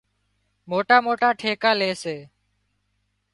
موٽا موٽا ٺيڪا لي سي